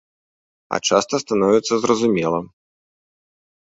А часта становіцца зразумела.